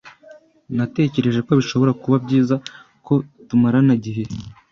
Natekereje ko bishobora kuba byiza ko tumarana igihe.